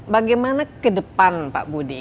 bagaimana ke depan pak budi